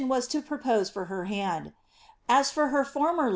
was to propose for her hand ; as for her foraier lo?